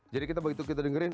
jadi kita begitu kita dengerin